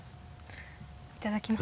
いただきます。